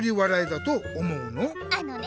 あのね